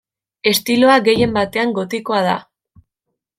Estiloa gehien batean gotikoa da.